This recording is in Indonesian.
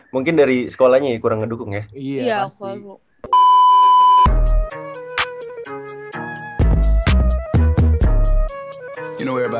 mungkin dari sekolahnya kurang ngedukung ya